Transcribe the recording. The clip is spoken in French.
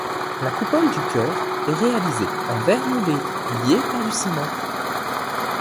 La coupole du chœur est réalisée en verre moulé lié par du ciment.